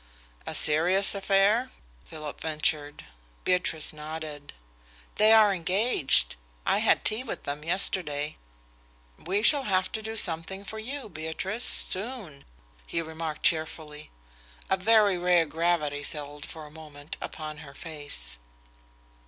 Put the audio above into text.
"A serious affair?" Philip ventured. Beatrice nodded. "They are engaged. I had tea with them yesterday." "We shall have to do something for you, Beatrice, soon," he remarked cheerfully. A very rare gravity settled for a moment upon her face.